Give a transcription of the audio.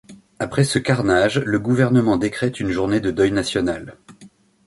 Après ce carnage, le gouvernement décrète une journée de deuil national.